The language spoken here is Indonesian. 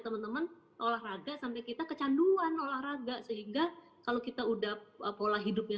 teman teman olahraga sampai kita kecanduan olahraga sehingga kalau kita udah pola hidupnya